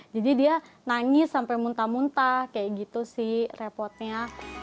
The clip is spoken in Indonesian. jadi dia nangis sampai muntah muntah kayak gitu sih repotnya